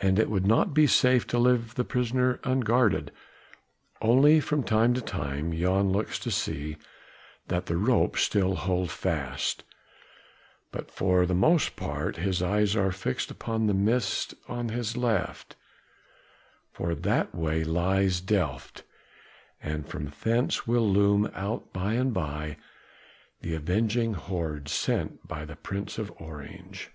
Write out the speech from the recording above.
And it would not be safe to leave the prisoner unguarded. Only from time to time Jan looks to see that the ropes still hold fast, but for the most part his eyes are fixed upon the mist on his left, for that way lies Delft, and from thence will loom out by and by the avenging hordes sent by the Prince of Orange.